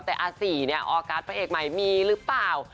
แต่อาสี่เนี่ยออกัสพระเอกใหม่มีหรือเปล่า